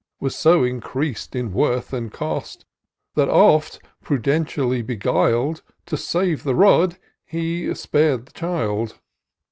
Was so increas'd in worth and cost, That oft, prudentially beguil'd, To save the rod, he spar'd the child.